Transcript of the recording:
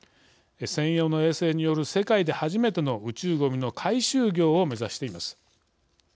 専用の衛星による世界で初めての宇宙ごみの回収業を目指しています。